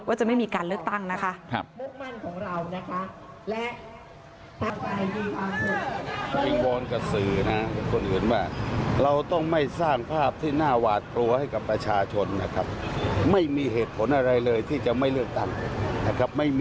จะไม่มีการเลือกตั้งนะคะ